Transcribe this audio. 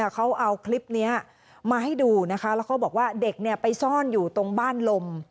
เขาเอาคลิปนี้มาให้ดูนะคะแล้วเขาบอกว่าเด็กไปซ่อนอยู่ตรงบ้านลม